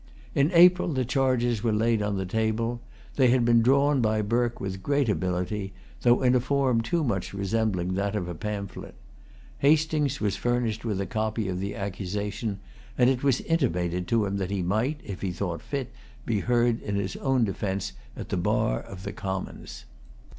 In April the charges were laid on the table. They had been drawn by Burke with great ability, though in a form too much resembling that of a pamphlet. Hastings was furnished with a copy of the accusation; and it was intimated to him that he might, if he thought fit, be heard in his own defence at the bar of the Commons.